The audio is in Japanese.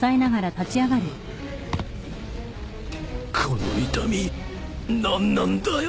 この痛み何なんだよ。